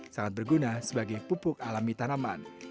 sangat berguna sebagai pupuk alami tanaman